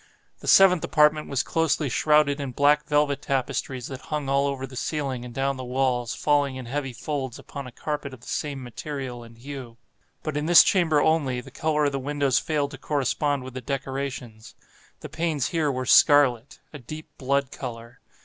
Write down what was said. The seventh apartment was closely shrouded in black velvet tapestries that hung all over the ceiling and down the walls, falling in heavy folds upon a carpet of the same material and hue. But in this chamber only, the color of the windows failed to correspond with the decorations. The panes here were scarlet—a deep blood color.